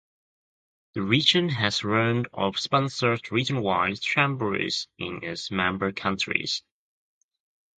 The Region has run or sponsored region-wide jamborees in its member countries.